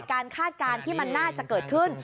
คาดการณ์ที่มันน่าจะเกิดขึ้น